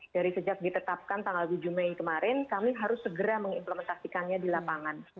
dari sejak ditetapkan tanggal tujuh mei kemarin kami harus segera mengimplementasikannya di lapangan